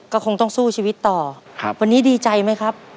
ก็คงต้องสู้ชีวิตต่อครับวันนี้ดีใจไหมครับ